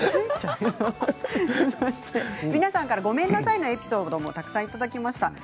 皆さんからごめんなさいのエピソードもいただきました。